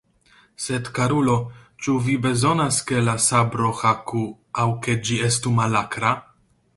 Sed, karulo, ĉu vi bezonas, ke la sabro haku, aŭ ke ĝi estu malakra?